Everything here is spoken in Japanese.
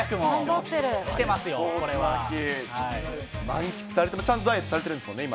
満喫されて、ちゃんとダイエットされてるんですよね、今。